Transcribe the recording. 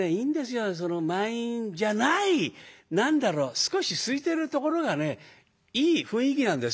満員じゃない何だろう少しすいてるところがねいい雰囲気なんです。